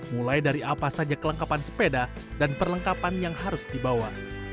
mulai dari apa saja kelengkapan sepeda dan perlengkapan yang harus dibawa